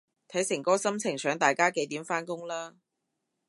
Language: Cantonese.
睇誠哥心情想大家幾點返工啦